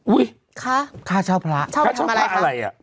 ค่าเช่าพระค่าเช่าพระอะไรอ่ะ